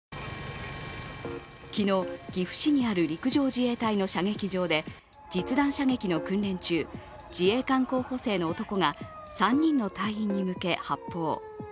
昨日、岐阜市にある陸上自衛隊の射撃場で実弾射撃の訓練中、自衛官候補生の男が３人の隊員に向け発砲。